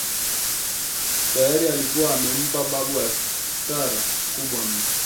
Tayari alikuwa amempa babu hasara kubwa mno